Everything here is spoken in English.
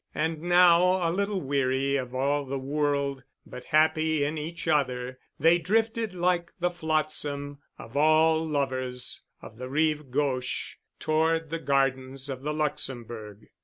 And now a little weary of all the world, but happy in each other, they drifted like the flotsam of all lovers of the Rive Gauche toward the Gardens of the Luxembourg.